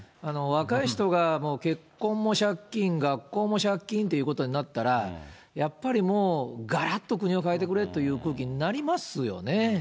若い人が結婚も借金、学校も借金ということになったら、やっぱりもう、がらっと国を変えてくれという空気になりますよね。